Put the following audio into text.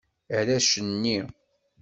Arrac-nni.